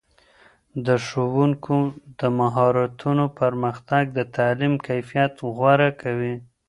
د ښوونکو د مهارتونو پرمختګ د تعلیم کیفیت غوره کوي.